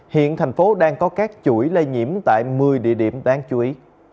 hiện thành phố đang có các chuỗi lây nhiễm tại một mươi địa điểm đáng chú ý